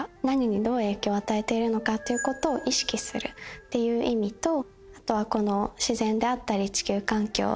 何にどう影響を与えているのかということを意識するっていう意味とあとは自然だったり地球環境。